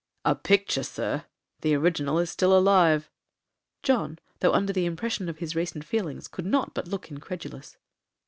'A picture, Sir!—the original is still alive.' John, though under the impression of his recent feelings, could not but look incredulous.